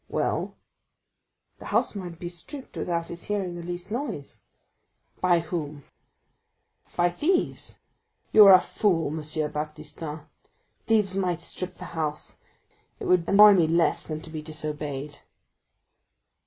"Well?" "The house might be stripped without his hearing the least noise." "By whom?" "By thieves." "You are a fool, M. Baptistin. Thieves might strip the house—it would annoy me less than to be disobeyed."